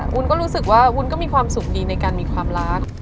วุ้นก็รู้สึกว่าวุ้นก็มีความสุขดีในการมีความรัก